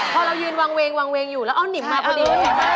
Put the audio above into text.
พอเรายืนวางเวงอยู่แล้วนิ่มมาพอดี